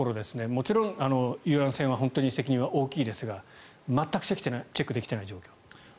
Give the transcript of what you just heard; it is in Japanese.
もちろん遊覧船は責任は大きいですが全くチェックできていない状況。